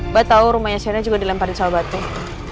mbak tau rumahnya sienna juga dilemparin sobat tuh